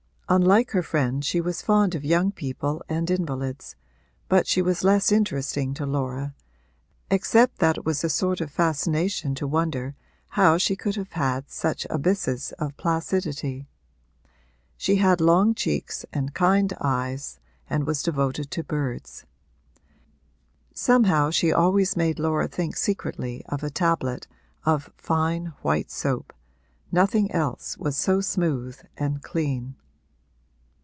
Unlike her friend she was fond of young people and invalids, but she was less interesting to Laura, except that it was a sort of fascination to wonder how she could have such abysses of placidity. She had long cheeks and kind eyes and was devoted to birds; somehow she always made Laura think secretly of a tablet of fine white soap nothing else was so smooth and clean.